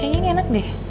kayaknya ini enak deh